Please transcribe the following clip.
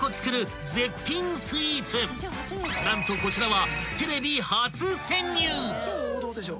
［何とこちらは］